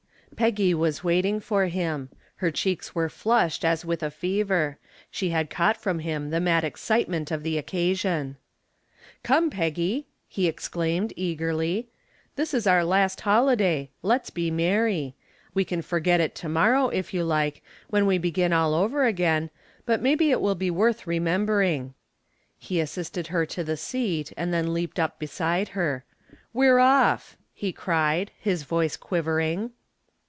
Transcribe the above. Peggy was waiting for him. Her cheeks were flushed as with a fever. She had caught from him the mad excitement of the occasion. "Come, Peggy," he exclaimed, eagerly. "This is our last holiday let's be merry. We can forget it to morrow, if you like, when we begin all over again, but maybe it will be worth remembering." He assisted her to the seat and then leaped up beside her. "We're off!" he cried, his voice quivering.